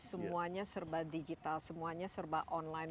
semuanya serba digital semuanya serba online